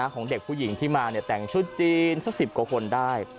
ของเด็กผู้หญิงที่มาแต่งชุดจีนสัก๑๐กว่าคนได้